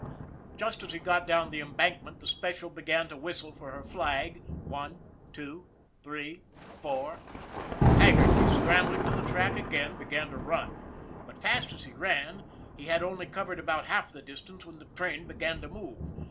Just as he got down the embankment, the Special began to whistle for her flag, one two three four, and Haggerty, scrambling to the track again, began to run. But fast as he ran, he had only covered about half the distance when the train began to move.